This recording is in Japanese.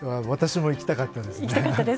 私も行きたかったです。